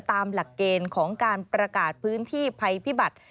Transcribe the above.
ตามหลักเกณฑ์ของการประกาศพื้นที่ภัยพิบัติ